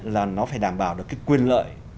là nó phải đảm bảo được cái quyền lợi